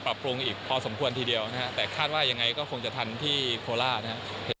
ปรับปรุงอีกพอสมควรทีเดียวนะฮะแต่คาดว่ายังไงก็คงจะทันที่โคราชนะครับ